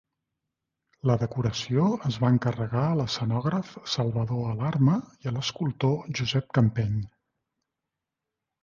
La decoració es va encarregar a l'escenògraf Salvador Alarma i a l'escultor Josep Campeny.